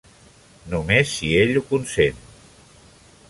Només si ell ho consent.